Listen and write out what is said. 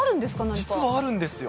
実はあるんですよ。